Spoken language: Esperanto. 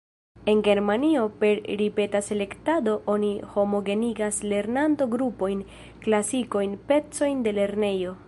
En Germanio per ripeta selektado oni homogenigas lernanto-grupojn, klasojn, pecojn de lernejoj.